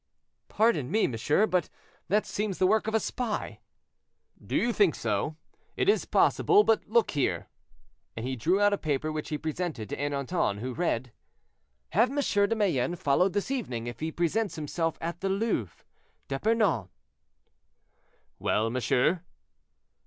"Pardon me, monsieur; but that seems the work of a spy." "Do you think so? It is possible; but look here"—and he drew out a paper which he presented to Ernanton, who read— "'Have M. de Mayenne followed this evening, if he presents himself at the Louvre.—D'EPERNON.'" "Well, monsieur?"